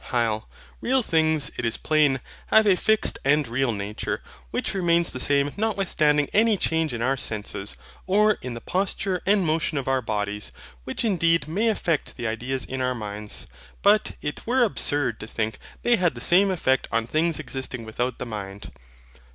HYL. Real things, it is plain, have a fixed and real nature, which remains the same notwithstanding any change in our senses, or in the posture and motion of our bodies; which indeed may affect the ideas in our minds, but it were absurd to think they had the same effect on things existing without the mind.